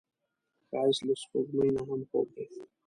ښایست له سپوږمۍ نه هم خوږ دی